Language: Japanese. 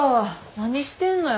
何してんのや。